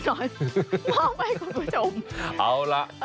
ขอบให้คุณผู้ชม